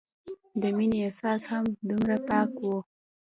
د مينې احساس هم دومره پاک وو